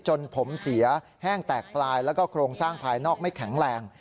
จนผมเสียแห้งแตกปลายแล้วก็โครงสร้างภายนอกไม่แข็งแรง